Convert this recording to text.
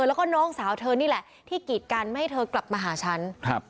แล้วก็น้องสาวเธอนี่แหละที่กีดกันไม่ให้เธอกลับมาหาฉันครับ